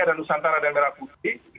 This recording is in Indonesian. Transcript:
ada nusantara dan merah putih